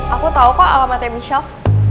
aku tau kok alamatnya michelle